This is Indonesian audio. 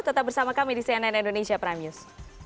tetap bersama kami di cnn indonesia prime news